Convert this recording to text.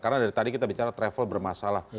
karena dari tadi kita bicara travel bermasalah